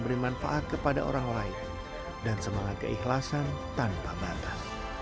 mbah un menyerah untuk memberi manfaat kepada orang lain dan semangat keikhlasan tanpa batas